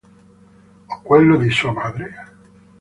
O quello di sua madre?